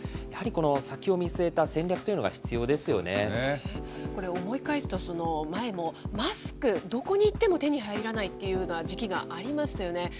やはりこの、先を見据えた戦略とこれ、思い返すと、前もマスク、どこに行っても手に入らないというような時期がありましたよね。